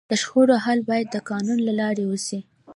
د شخړو حل باید د قانون له لارې وسي.